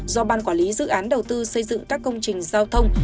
do ban quản lý dự án đầu tư xây dựng các công trình giao thông